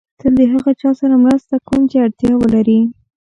تل د هغه چا سره مرسته کوم چې اړتیا ولري.